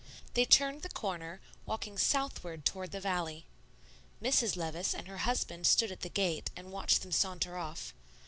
They turned the corner, walking southward toward the valley. Mrs. Levice and her husband stood at the gate and watched them saunter off.